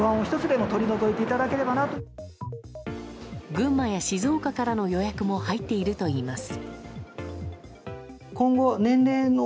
群馬や静岡からの予約も入っているといいます。